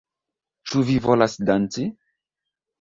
Ĉu vi volas danci?